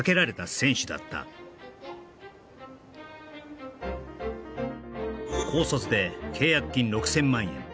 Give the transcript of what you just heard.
選手だった高卒で契約金６０００万円